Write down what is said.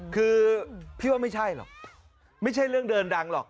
คือพี่ว่าไม่ใช่หรอกไม่ใช่เรื่องเดินดังหรอก